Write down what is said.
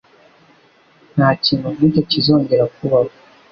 Ntakintu nkicyo kizongera kubaho.